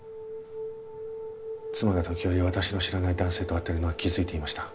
妻が時折私の知らない男性と会っているのは気づいていました。